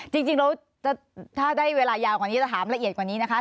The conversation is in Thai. จริงแล้วถ้าได้เวลายาวกว่านี้จะถามละเอียดกว่านี้นะคะ